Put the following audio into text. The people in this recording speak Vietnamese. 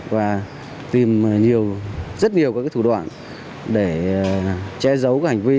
và tìm rất nhiều các thủ đoạn để che giấu hành vi